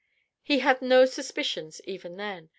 He had no suspicions even then.